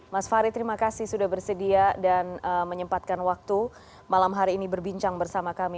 mas farid terima kasih sudah bersedia dan menyempatkan waktu malam hari ini berbincang bersama kami